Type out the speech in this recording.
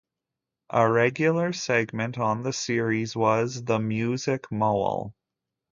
A regular segment on the series was "The Music Mole".